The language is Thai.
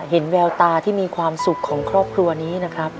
แววตาที่มีความสุขของครอบครัวนี้นะครับ